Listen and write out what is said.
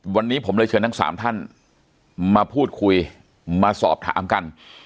วันนี้ผมเลยเชิญทั้ง๓ท่านมาพูดคุยมาสอบถามกัน